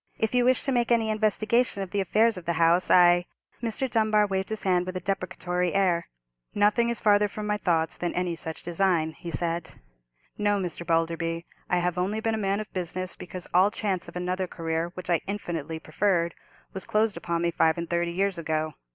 If you wish to make any investigation of the affairs of the house, I——" Mr. Dunbar waved his hand with a deprecatory air. "Nothing is farther from my thoughts than any such design," he said. "No, Mr. Balderby, I have only been a man of business because all chance of another career, which I infinitely preferred, was closed upon me five and thirty years ago.